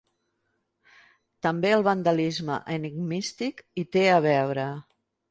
També el vandalisme enigmístic hi té a veure.